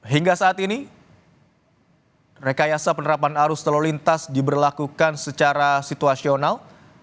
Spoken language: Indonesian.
hingga saat ini rekayasa penerapan arus tol lintas ini tidak ada yang bisa diperlukan